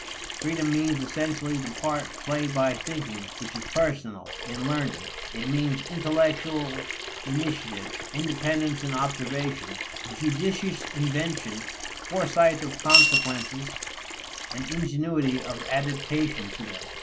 Freedom means essentially the part played by thinking which is personal in learning: it means intellectual initiative, independence in observation, judicious invention, foresight of consequences, and ingenuity of adaptation to them.